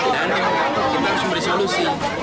dan kita harus memberi solusi